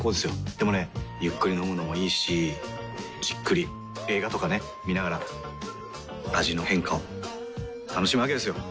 でもねゆっくり飲むのもいいしじっくり映画とかね観ながら味の変化を楽しむわけですよ。